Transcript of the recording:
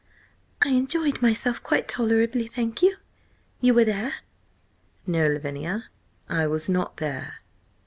"I enjoyed myself quite tolerably, thank you. You were there?" "No, Lavinia, I was not there."